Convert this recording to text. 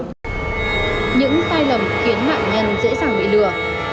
những sai lầm khiến nạn nhân dễ dàng bị lừa